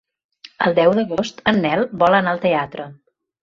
El deu d'agost en Nel vol anar al teatre.